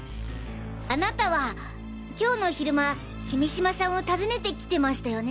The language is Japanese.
あなたは今日の昼間君島さんを訪ねて来てましたよね？